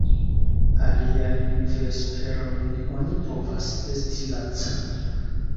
Aliajn vesperojn oni povas esti laca.